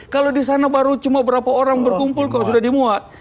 kalau di sana baru cuma berapa orang berkumpul kok sudah dimuat